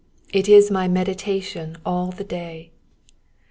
it is my meditation all the day.